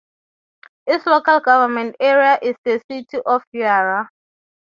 Its local government area is the City of Yarra.